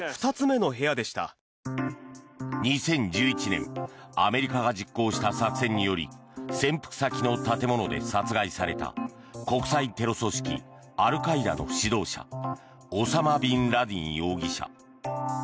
２０１１年アメリカが実行した作戦により潜伏先の建物で殺害された国際テロ組織アルカイダの指導者オサマ・ビンラディン容疑者。